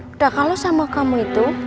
udah kalau sama kamu itu